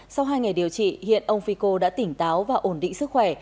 sau hai ngày điều trị hiện ông fico đã tỉnh táo và ổn định sức khỏe